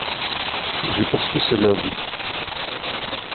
Je poursuis ce log.